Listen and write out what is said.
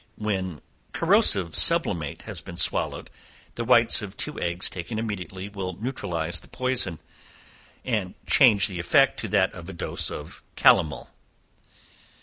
When "corrosive sublimate," has been swallowed, the whites of two eggs taken immediately will neutralize the poison, and change the effect to that of a dose of calomel.